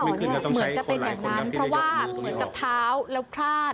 เหมือนจะเป็นอย่างนั้นเพราะว่าเหมือนกับเท้าแล้วพลาด